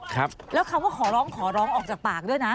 ครับแล้วคำว่าขอร้องขอร้องออกจากปากด้วยนะ